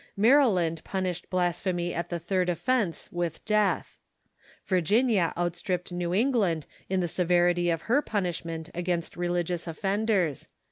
jNIaryland punished blasphemy at the third offence with death. Virginia outstripped New England in the severity of her punishment INTOLERANCE IN THE COLONIES 467 against religious offenders.